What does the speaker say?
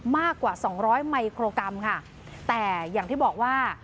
มากกว่าสองร้อยไมโครกรัมค่ะแต่อย่างที่บอกว่า